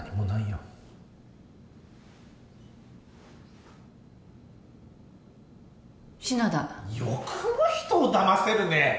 よくも人をだませるね！？